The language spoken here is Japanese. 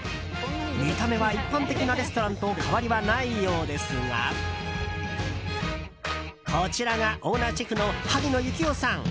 見た目は一般的なレストランと変わりはないようですがこちらがオーナーシェフの萩野幸男さん。